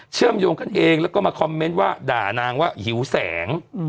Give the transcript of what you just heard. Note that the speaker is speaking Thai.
เชื่อมโยงกันเองแล้วก็มาคอมเมนต์ว่าด่านางว่าหิวแสง